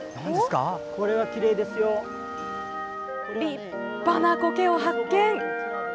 立派なコケを発見。